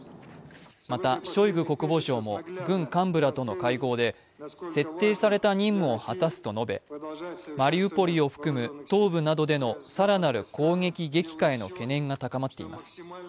またショイグ国防相も軍幹部らとの会合で設定された任務を果たすと述べ、マリウポリを含む東部などでの更なる攻撃激化への懸念が高まっています。